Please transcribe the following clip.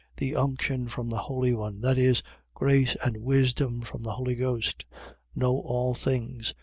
The unction from the Holy One. . .That is, grace and wisdom from the Holy Ghost. Know all things.